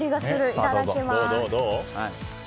いただきます。